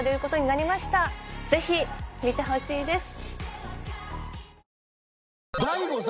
是非見てほしいです。